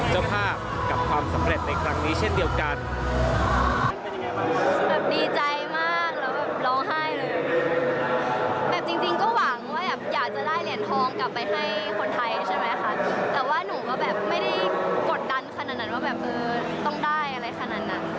เจ้าภาพกับความสำเร็จในครั้งนี้เช่นเดียวกัน